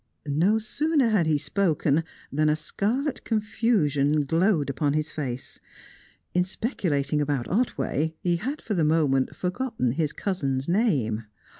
No sooner had he spoken that a scarlet confusion glowed upon his face. In speculating about Otway, he had for the moment forgotten his cousin's name.